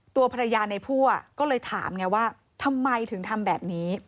ตัวภรรยาในพั่วก็เลยถามไงว่าทำไมถึงทำแบบนี้